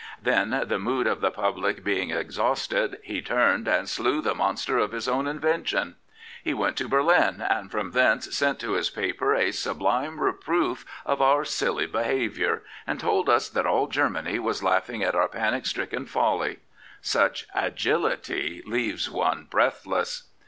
Then, the mood of the public being exhausted, he turned and slew the monster of his own invention. He went to Berlin, and from thence sent to his paper a sublime reproof of our silly behaviour, and told us that all Germany was laughing at our panic stricken folly. Such a g ilit y leaves one breathless.